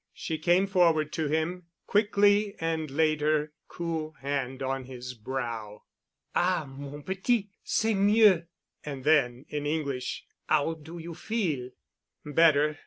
She came forward to him quickly and laid her cool hand on his brow. "Ah, mon petit, c'est mieux." And then, in English, "'Ow do you feel?" "Better.